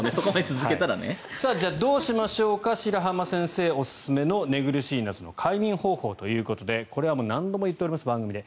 じゃあ、どうしましょうか白濱先生おすすめの寝苦しい夏の快眠方法ということでこれは何度も言っております番組で。